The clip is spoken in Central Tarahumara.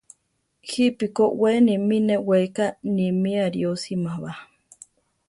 Jipe ko we nimí neweká nimí ariósima ba.